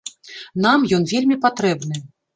Нам ён вельмі патрэбны.